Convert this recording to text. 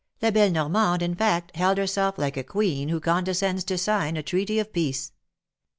La belle Normande, in fact, held herself like a queen who condescends to sign a treaty of peace.